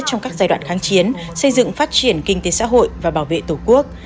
trong các giai đoạn kháng chiến xây dựng phát triển kinh tế xã hội và bảo vệ tổ quốc